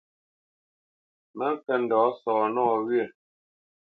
Mə ŋkə̄ ndɔ̌ sɔ̌ nɔwyə̂.